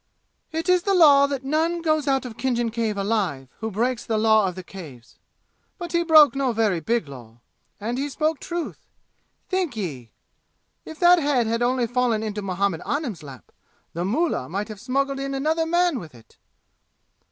"It is the law that none goes out of Khinjan Cave alive who breaks the law of the Caves. But he broke no very big law. And he spoke truth. Think Ye! If that head had only fallen into Muhammad Anim's lap, the mullah might have smuggled in another man with it!"